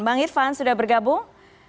bang irvan sudah bergabung